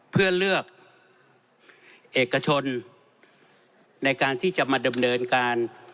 เพื่อเลือกเอกชนในการที่จะมาดำเนินการ